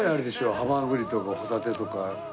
ハマグリとかホタテとか生イカ